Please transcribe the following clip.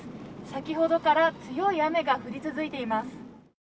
先ほどから強い雨が降り続いています。